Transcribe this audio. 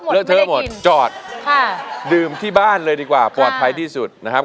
เลอะเทอะหมดเลอะเทอะหมดจอดดื่มที่บ้านเลยดีกว่าปลอดภัยที่สุดนะครับ